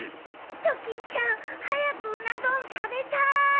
ドキンちゃんはやくうなどんたべたい！